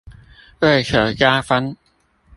為求加分